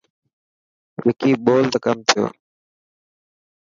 وڪي ٻولو ته ڪم ٿيو.